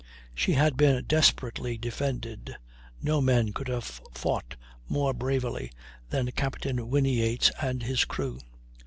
She had been desperately defended; no men could have fought more bravely than Captain Whinyates and his crew.